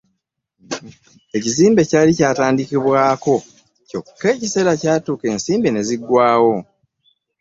Ekizimbe kyali kyatandikibwako kyokka ekiseera kyatuuka ensimbi ne ziggwaawo